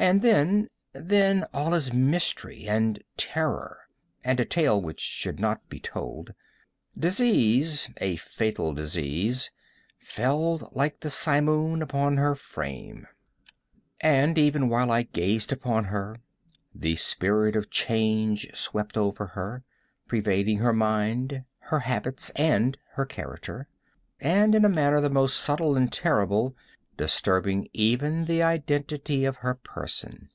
And then—then all is mystery and terror, and a tale which should not be told. Disease—a fatal disease, fell like the simoon upon her frame; and, even while I gazed upon her, the spirit of change swept over her, pervading her mind, her habits, and her character, and, in a manner the most subtle and terrible, disturbing even the identity of her person!